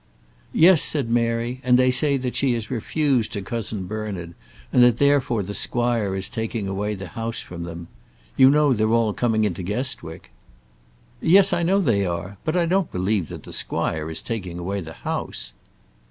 "Yes," said Mary; "and they say that she has refused her cousin Bernard, and that, therefore, the squire is taking away the house from them. You know they're all coming into Guestwick." "Yes, I know they are. But I don't believe that the squire is taking away the house."